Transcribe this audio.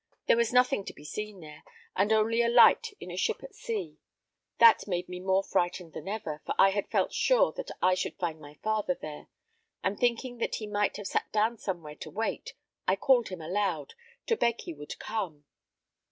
There was nothing to be seen there, and only a light in a ship at sea. That made me more frightened than ever, for I had felt sure that I should find my father there; and thinking that he might have sat down somewhere to wait, I called him aloud, to beg he would come home.